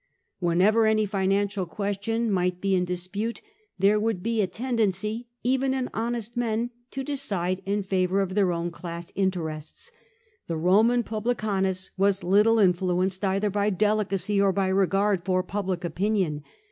Whenever any financial question might be in dispute, there would be a tendency, even in honest men, to decide in favour of their own class interests. The Roman p%Micanus was little influenced either by delicacy by regard for public opinion.